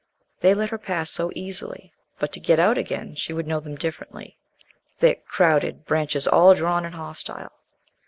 They let her pass so easily, but to get out again she would know them differently thick, crowded, branches all drawn and hostile.